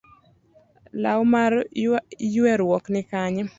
Law mar yueruok ni Kanye?